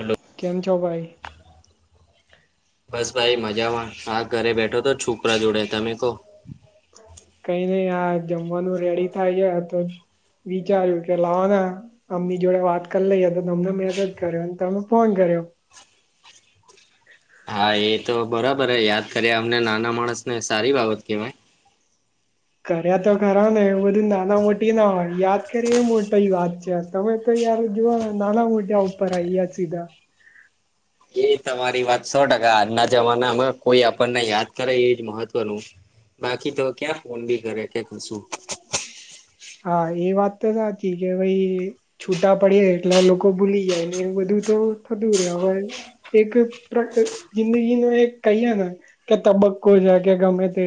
Hello કેમ છો ભાઈ. બસ ભાઈ મજામાં હા ઘરે બેઠો તો છોકરા જોડે તમે કહો. કઈ નઈ આ જમવાનું રેડી થાય છે તો. વિચાર્યું કે લાવોને. આમની જોડે વાત કરી લઈએ તો તમને મેસેજ કર્યો તમે ફોન કર્યો. હા એ તો બરાબર હે યાદ કર્યા અમને નાના માણસ ને સારી બાબત કહેવાય. કર્યા તો ખરા ને એવુ બધું નાના મોટી ના હોય યાદ કરીએ એ મોટાઇ વાત છે. તમે તો યાર જુઓ ને નાના મોટા ઉપર આયા જ સીધા. એ તમારી વાત સો ટકા. આજના જમાનામાં કોઈ આપણને યાદ કરે એજ મહત્વનું. બાકી તો ક્યાં ફોન બી કરે કે કશું. હા એ વાત તો સાચી કે ભાઈ છૂટા પડી એટલે લોકો ભૂલી જાય, ને એવું બધું તો થતું રહે હવે એક [unintelligible] જિંદગી નું એક કહ્યા ના કે તબક્કો છે કે ગમે તે,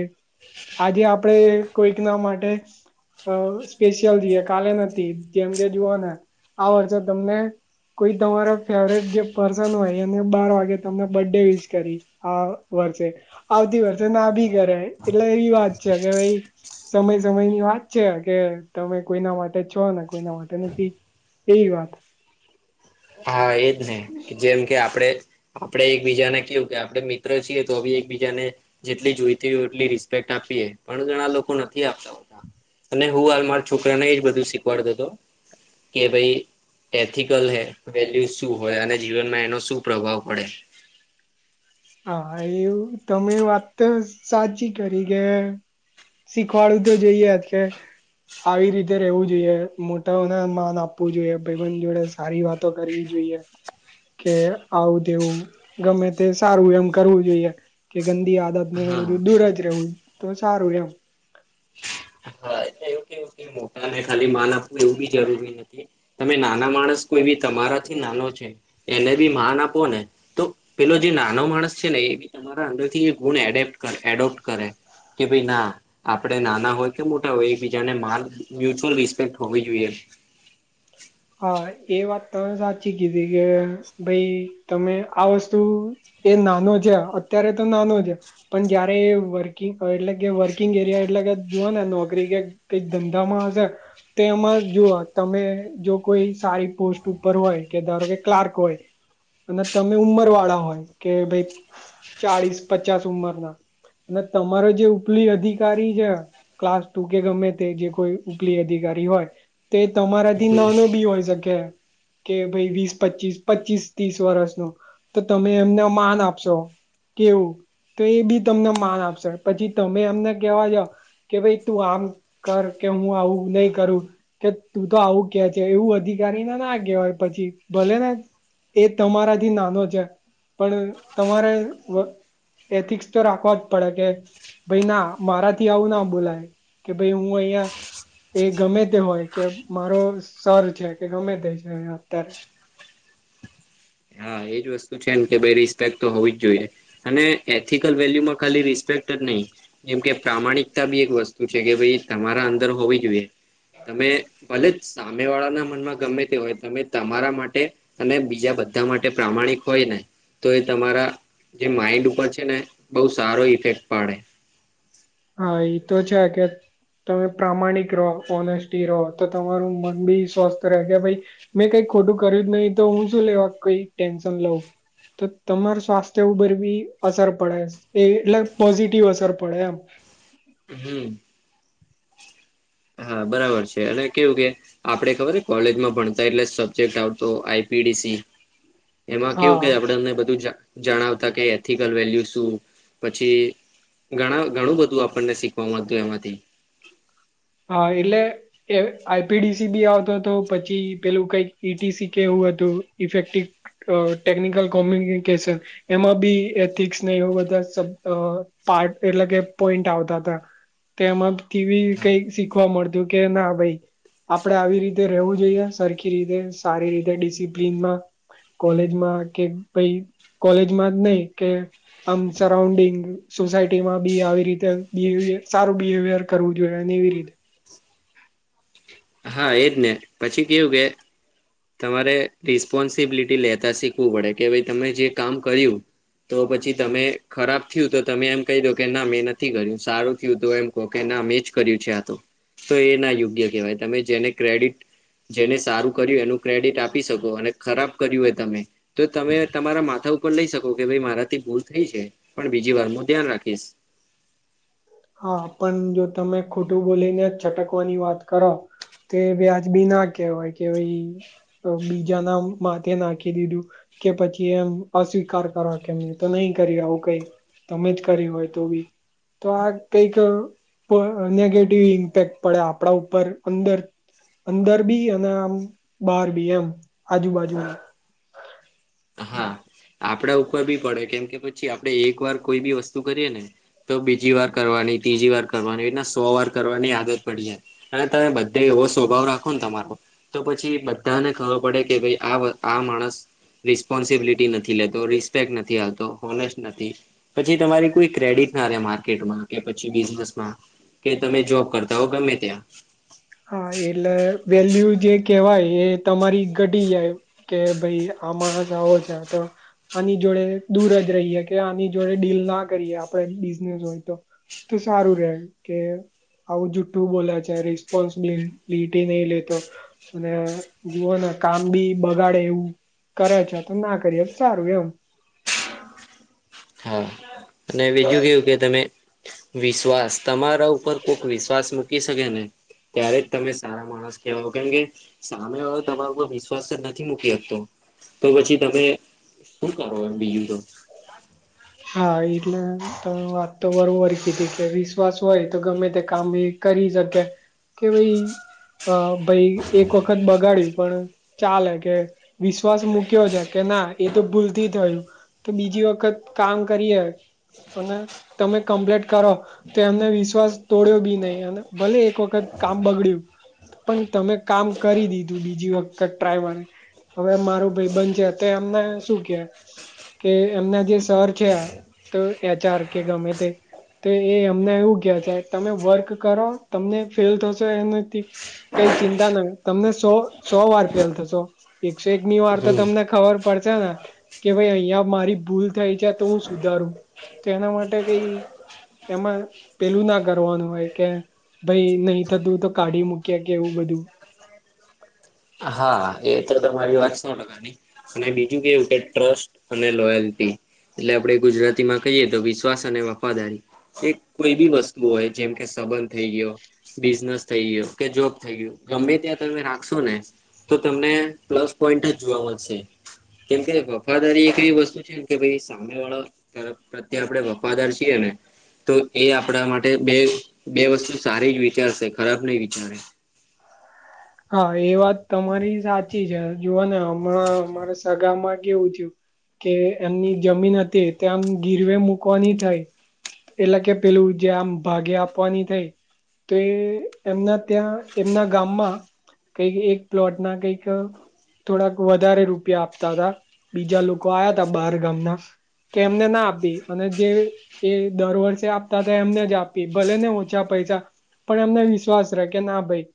આજે આપડે કોઈક ના માટે અહ સ્પેશિયલ રઈએ, કાલે નથી. જેમ કે જુઓ ને આ વર્ષે તમને કોઈ તમારા ફેવરેટ જે પર્સન હોય એમને બાર વાગે તમને બર્થ ડે વિશ કરી આ વર્ષે, આવતી વર્ષે ના ભી કરે, એટલે એવી વાત છે કે ભઈ સમય-સમય ની વાત છે કે તમે કોઈના માટે છો, ને કોઈના માટે નથી એવી વાત. હા એજ ને. કે જેમ કે આપડે આપણે એકબીજાને કેવું કે આપડે મિત્રો છીએ તો બી એકબીજાને જેટલી જોઈતી હોય એટલી રિસ્પેક્ટ આપીએ, પણ ઘણા લોકો નથી આપતા હોતા. અને હું હાલ માર છોકરાને એજ બધું શીખવાડતો તો કે ભઈ એથિકલ હે. વેલ્યુ શું હોય, અને જીવનમાં એનો શું પ્રભાવ પડે. હા એવું તમે વાત તો સાચી કરી કે શીખવાડું તો જોઈએ જ કે આવી રીતે રહેવું જોઈએ, મોટાઓને માન આપવું જોઈએ, ભાઈબંધ જોડે સારી વાતો કરવી જોઈએ, કે આવું તેવું ગમે તે સારું એમ કરવું જોઈએ, કે ગંદી આદત ને હા બધું દૂર જ રહેવું તો સારું એમ. હા એટલે એવું કહેવું કે મોટા ને ખાલી માન આપવું એવું બી જરૂરી નથી. તમે નાના માણસ કોઈ બી તમારા થી નાનો છે એને બી માન આપો ને તો પેલો જે નાનો માણસ છે ને એ બી તમારા અંદર થી ગુણ એડેપ એડોપ્ટ કરે, કે ભાઈ ના આપડે નાના હોય કે મોટા હોય એક બીજાને માલ મ્યુચ્યુઅલ રિસ્પેક્ટ હોવી જોઈએ. હા એ વાત તમે સાચી કીધી, કે ભાઈ તમે આ વસ્તુ એ નાનો છે, અત્યારે તો નાનો છે. પણ જયારે એ વર્કિંગ એટલે કે વર્કિંગ એરિયા એટલે કે જુઓ ને નોકરી કે કંઈક ધંધામાં હશે, તો એમાં જુઓ તમે જોબ કોઈ સારી પોસ્ટ ઉપર હોય, કે ધારો કે ક્લાર્ક હોય અને તમે ઉંમર વાળા હોય, કે ભાઈ ચાળિસ પચાસ ઉંમર ના અને તમારો જે ઉપલી અધિકારી છે ક્લાસ ટુ કે ગમે તે જે કોઈ ઉપલી અધિકારી હોય, તે તમારાથી નાનો હોય શકે કે ભઈ વીસ પચીસ-પચીસ તીસ વર્ષનું તો તમે એમને માન આપશો કે એવું, તો એ બી તમને માન આપશે. પછી તમે એમને કેવા જાવ કે ભઈ તું આમ કર, કે હું આવું નહી કરું, કે તું તો આવું કેછ છે એવું અધિકારી ને ના કહેવાય પછી, ભલે ને એ તમારાથી નાનો છે, પણ તમારે વ એથિક્સ તો રાખવા જ પડે કે ભઈ ના મારાથી આવું ના બોલાય, કે ભઈ હું અહિયાં એ ગમે તે હોય કે મારો સર છે, કે ગમે તે છે એ અત્યારે. હા એજ વસ્તુ છેન કે ભાઈ રિસ્પેક્ટ તો હોવી જ જોઈએ. અને એથિકલ વેલ્યુમાં ખાલી રિસ્પેક્ટ જ નહીં એમ કે પ્રામાણિકતા બી એક વસ્તુ છે કે ભઈ તમારા અંદર હોવી જોઈએ. તમે ભલે સામે વાળા ના મનમાં ગમે તે હોય, તમે તમારા માટે અને બીજા બધા માટ પ્રામાણિક હોય ને તો એ તમારા જે માઈન્ડ ઉપર છે ને બહુ સારો ઈફેક્ટ પાડે હા એ તો છે આ કે તમે પ્રામાણિક રહો ઓનેસ્ટી રહો તો તમારું મન બી સ્વસ્થ રહે કે ભાઈ મેં કઈ ખોટું કર્યું જ નહીિ તો હું શું લેવા કોઈ ટેન્શન લઉં તો તમાર સ્વાસ્થ્ય ઉપર બી અસર પડે એ એટલે પોઝિટિવ અસર પડે એમ હમ હા બરાબર છે એટ કેવું કે આપડ ખબર છે કોલેજમાં ભણતા એટલે સબ્જેક્ટ આવતો આઈપીડીસી એમાં કેવું કે હા આપડે અમને બધું જ જણાવતા કે એથિકલ વેલ્યુ શું પછી ઘણા ઘણું બધું આપણને શીખવામાંતું એમાંથી હા એલે કે I P D C B આવતો હતો પછી પેલું કઈક ઈ ટી સી કેવું હતું ઇફેક્ટિવ અ ટેકનિકલ કોમ્યુનિકેશન એમાં બી એથિક્સને એવ બધા સા આ પાર્ટ એટલે કે પોઈન્ટ આવતા હતા. તેમાં કેવી કઈ શીખવા મળતું કે ના ભાઈ આપડે આવી રીતે રવું જોઈએ સરખી રીતે સારી રીતે ડિસિપ્લીનમાં કોલેજમાં કે ભાઈ કોલેજમાં જ નહી કે આમ સરાઉન્ડિંગ સોસાયટીમાં બી આવી રીતે બિવિયર સારું બિવિયર કરવું જોએ જડાને વિરીધ હા એજ ને પછી કેવું કે તમારે રિસ્પોન્સિબિલિટી લેતા શીખવું પડે કે ભાઈ તમે જે કામ કર્યું તો પછી તમે ખરાબ થયું તો તમે એમ કહી દો કે ના મેં નથી કર્યું સારું થયું તો એમ કે ના મેમે જ કર્યું છે આ તો તો એ ના યોગ્ય કેહેવાય તમે જેને ક્રેડિટ જેને સારું કર્યું એનું ક્રેડિટ આપી શકો અને ખરાબ કર્યું હોય તમે તો તમે તમારા માથા ઉપર લઈ શકો કે ભાઈ મારાથી ભૂલ થઈ છે પણ બીજી વાર માં ધ્યાન રાખીશ. હા પણ જો તમે ખોટું બોલીને છટકવાની વાત કરો તે વ્યાજબી ના કહેવાય કે ભાઈ બીજાના માથે નાખી દીધું. કે પછી એમ અસ્વીકાર કરો કે મેં તો નહી કરી આવું કઈ તમે જ કરી હોય તો બી તો આ કઈક નેગેટિવ ઇમ્પેક્ટ પડે આપણા ઉપર અંદર અંદર બી અને આમ બાર બી એમ આજુબાજુ હા આપડા ઉપર બી પડે કેમ કે પછી આપડે એક વાર કોઈ બી વસ્તુ કરીએ ને તો બીજી વાર કરવાની ત્રીજી વાર કરવાની એટના સો વાર કરવાની આદત પડી જાય અને તમે બધા એવો સ્વભાવ રાખો ને તમારો તો પછી બધાને ખબર પડે કે ભાઈ આ આ માણસ રિસ્પોન્સિબિલિટી નથી લેતો રિસ્પેક્ટ નથી આવતો હોનેસ્ટ નથી પછી તમારી કોઈ ક્રેડિટ ના રહે માર્કેટમાં કે પછી બિઝનેસમાં કે તમે જોબ કરતા હો ગમે ત્યાં હા એટલે વેલ્યુ જે કેહેવાય એ તમારી ઘટી જાય કે ભાઈ આ માણસ આવો છે તો આની જોડે દૂર જ રહીએ કે આની જોડે ડીલ ના કરીએ આપણે બિઝનેસ હોય તો તો સારું રે કે આવું જુઠ્ઠું બોલા છે ર પોન્સિબિટી નહી લેતો અને જુઓને કામ બી બગાડે એવું કરે છે તો ના કરીએ સારું એમ હા અને બીજું કેવું કે તમે વિશ્વાસ તમારા ઉપર કોઈક વિશ્વાસ મૂકી શકે ને ત્યારે જ તમે સારા માણ કેવા કેમ કે સામે વાળો તમારા ઉપર વિશ્વાસ જ નથી મૂકી શકતો તો પછી તમે શું કરો એમ બીજું તો હા એટલે તમે વાત તો બરોબર કીધી કે વીસ વિશ્વાસ હોય તો ગમે તે કામ એ કરી શકે કે ભાઈ અ ભઈ એક વખત બગાડ્યું પણ ચાલે કે વિશ્વાસ મૂક્યો છે કે ના એ તો ભૂલથી થયું તો બીજી વખત કામ કરીએ અને તમે કમ્પ્લીટ કરો તો એમને વિશ્વાસ તોડ્યો બી નહી અને ભલે એક વખત કામ બગડ્યું પણ તમે કામ કરી દીધું બીજી વખત ટ્રાયવાને હવે મારું ભઈબન છે તે એમને શું કે કે એમના જે તર છે આ તો એચઆર કે ગમે તે તો એ હમનેં એવું કયા છે તમે વર્ક કરો તમને ફેલ થશો એના થી કઈ ચિંતા ના તમને સો સો વાર ફેલ થશો એકસો એકની વાર તો હમ તમને ખબર પડશે ને કે ભાઈ અહિયાં મારી ભૂલ થય છે તો હું સુધારું તો એના માટે કઈ એમાં પેલું ના કરવાનું હોય કે ભાઈ નહી થતું તો કાઢી મૂક્યા કે એવું બધું હા એ તો તમારી વાત સો ટકાની અને બીજું કેવું કે ટ્રસ્ટ અને લોયલ્ટી એટલે આપણે ગુજરાતી માં કહીએ તો વિશ્વાસ અને વફાદારી કે કોઈ બી વસ્તુ હોય જેમ કે સંબંધ થઈ ગયો બિઝનેસ થઈ ગયો કે જોબ થઈ ગયયો ગમે ત્યાં તમે રાખશો ને તો તમને પ્લસ પોઈન્ટ જ જોવા મળશે કેમ કે વફાદારી એક એવી વસ્તુ છે ને કે ભાઈ સામે વાળો તરફ પ્ર્ત્યે આપડે વફાદાર છીએ ને તો એ આપણા માટે બે બે વસ્તુ સારી જ વિચારશે ખરાબ નહી વિચારે હા એ વાત તમારી સાચી છે જુઓ ને હમણાં અમારે સગામાં કેવું થીયું કે એમની જમીન હતી તેમ ગીરવે મૂકવાની થાય એટલે કે પેલું જે આમ ભાગે આપવાની થઈ તો એ એમના ત્યાં એમના ગામમાં કઈક એક પ્લોટ ના કઈક થોડાક વધારે રૂપિયા આપતા હતા બીજા લોકો આયા તા બાર ગામના કે એમને ના આપી અને જે એ દર વર્ષે આપતા હતા એમને જ આપી ભલે ને ઓછા પૈસા પણ એમને વિશ્વાસ રહેે કે ના ભાઈ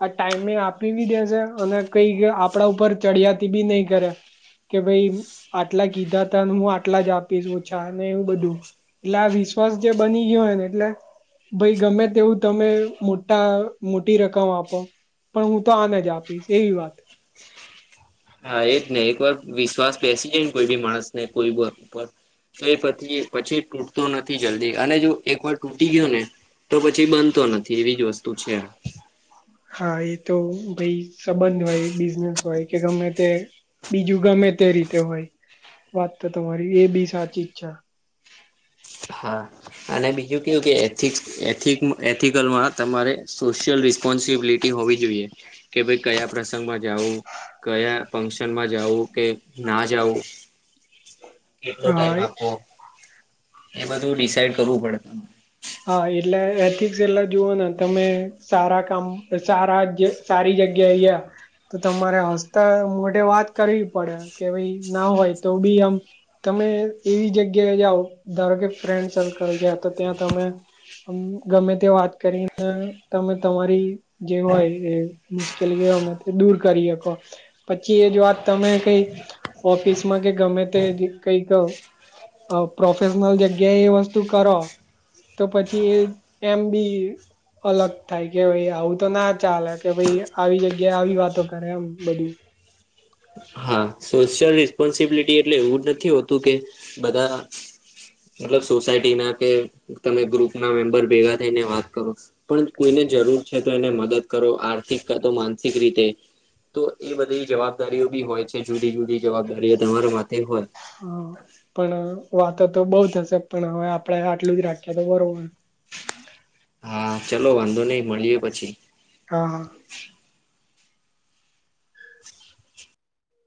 આ ટાઈમે આપી બી દેશે અને કઈક આપણા ઉપર ચડિયાતી બી નહી કરે કે ભાઈ આટલા કીધા તા હું આટલા જ આપીશું ઓછા ને એવું બધું એટલે આ વિશ્વાસ જે બની ગયો હોય ને એટલે ભાઈ ગમે તેવું તમે મોટા મોટી રકમ આપો પણ હું તો આને જ આપીશ એવી વાત હા એજ ને એક વાર વિશ્વાસ બેસી જાય ને કોઈ બી માણસ ને કોઈ ઉપર તો એ પછી પછી તૂટતો નથી જલ્દી અને જો એક વાર તૂટી ગયો ને તો પછી બનતો નથી એવી જ વસ્તુ છે હા એ તો ભાઈ સંબંધ હોય બિઝનેસ હોય કે ગમે તે બીજું ગમે તે રીતે હોય વાત તો તમારી એ બી સાચી જ છે હા અને બીજું કેવું કે એથિકલમાં તમારે સોશિયલ રિસ્પોન્સિબિલિટી કે હોવી જોઈએ કે ભઈ કયા પ્રસંગમાં જવું કયા ફંકશન મા મા જવું કે ના જવું કેટલો ટાઈમ હા આપો એ બધું ડિસાઈડ કરવું પડે હા એટલે એથિક્સ એટલે જુઓ ને તમે સારા કામ સારા જે સારી જગ્યા એયા તો તમારે હસતા મોઢે વાત કરવી પડે કે ભાઈ ના હોય તો બી આમ તમે એવી જગ્યાએ જાઓ ધારો કે ફ્રેન્ડ સર્કલ છે તો ત્યાં તમે આમ ગમે તે વાત કરીને તમે તમારી જે હોય એ મુશ્કેલી અમે દૂર કરી હકો. પછી એ જ વાત તમે કઈ ઓફિસમાં કે ગમે તે કઈ ક પ્રોફેશનલ જગ્યાએ એ વસ્તુ કરો તો પછી એમ બી અલગ થાય કે ભાઈ આવું તો ના ચાલે કે ભાઈ આવી જગ્યાએ આવી વાતો કરે એમ બધું હા સોશિયલ રિસ્પોન્સિબિલિટી એટલે એવું જ નથી હોતું કે બધા મતલબ સોસાયટી ના કે તમે ગ્રુપ ના મેમ્બર ભેગા થઈને વાત કરો પણ કોઈને જરૂર છે તો એને મદદ કરો આર્થિક કા તો માનસિક રીતે તો એ બધી જવાબદારીઓ બી હોય છે જુદી જુદી જવાબદારીઓ તમારો માથે હોય હા પણ વાતો તો બઉ થશે પણ હવે આપણેે આટલું જ રાખીએ તો બરોબર. હા ચલો વાંધો નઈ મળીએ પછી. હા હા.